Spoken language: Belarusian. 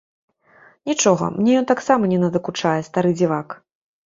Нічога, мне ён таксама не надакучае, стары дзівак.